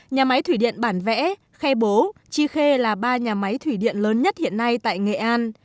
nhà máy thủy điện bản vẽ khe bố tri khê là ba nhà máy thủy điện lớn nhất hiện nay tại nghệ an